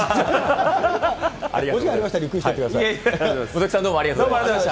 元木さん、どうもありがとうございました。